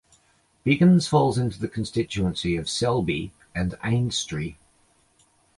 Biggin falls into the constituency of Selby and Ainstry.